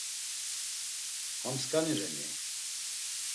Ham skani reni?